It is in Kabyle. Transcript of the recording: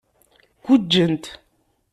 Guǧǧent.